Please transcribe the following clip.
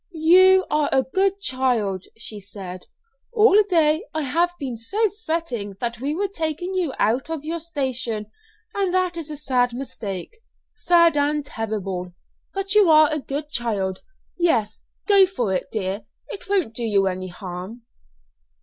"You are a good child," she said. "All day I have been so fretting that we were taking you out of your station; and that is a sad mistake sad and terrible. But you are a good child. Yes, go for it, dear; it won't do you any harm."